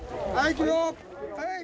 いくよ！